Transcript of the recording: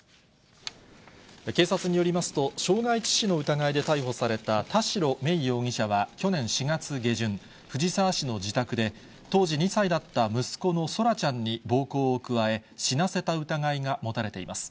警察によりますと、傷害致死の疑いで逮捕された田代芽衣容疑者は去年４月下旬、藤沢市の自宅で、当時２歳だった息子の空来ちゃんに暴行を加え、死なせた疑いが持たれています。